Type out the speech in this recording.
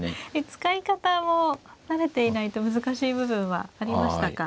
使い方も慣れていないと難しい部分はありましたか。